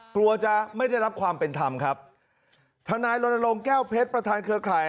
กลัวจะไม่ได้รับความเป็นธรรมครับทนายรณรงค์แก้วเพชรประธานเครือข่าย